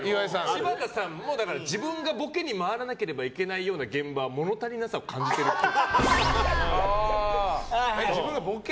柴田さんも自分がボケに回らなければいけないような現場は物足りなさを感じてるっぽい。